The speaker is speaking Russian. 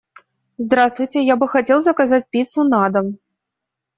Здравствуйте, я бы хотел заказать пиццу на дом.